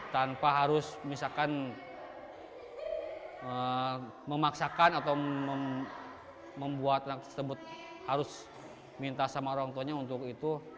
tanpa harus misalkan memaksakan atau membuat anak tersebut harus minta sama orang tuanya untuk itu